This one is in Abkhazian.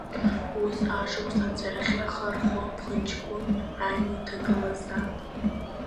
Ус, ашықәс анҵәарахьы ахы архо, ԥхынҷкәын ааины дааҭагылазаап.